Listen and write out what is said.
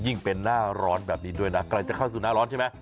เป็นหน้าร้อนแบบนี้ด้วยนะใกล้จะเข้าสู่หน้าร้อนใช่ไหม